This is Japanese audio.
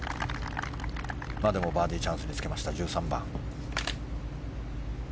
でもバーディーチャンスにつけました、１３番。